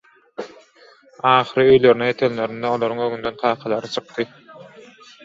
Ahyry öýlerine ýetenlerinde olaryň öňünden kakalary çykdy.